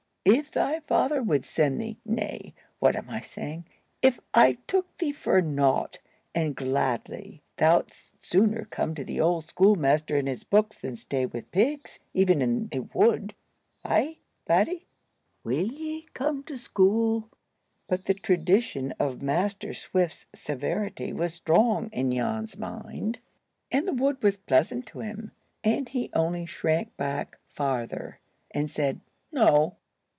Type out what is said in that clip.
"If thy father would send thee,—nay, what am I saying?—if I took thee for naught and gladly, thou'dst sooner come to the old schoolmaster and his books than stay with pigs, even in a wood? Eh, laddie? Will ye come to school?" But the tradition of Master Swift's severity was strong in Jan's mind, and the wood was pleasant to him, and he only shrank back farther, and said, "No."